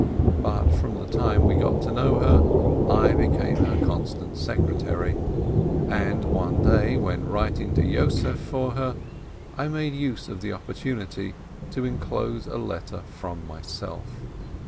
But from the time we got to know her, I became her constant secretary, and one day, when writing to Yossef for her, I made use of the opportunity to enclose a letter from myself.